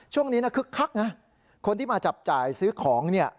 ช่วงนี้นะคึกคักนะคนที่มาจับจ่ายซื้อของเนี่ย